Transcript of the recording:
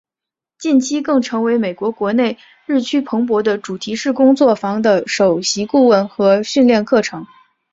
近期更成为美国国内日趋蓬勃的主题式工作坊的首席顾问和训练课程。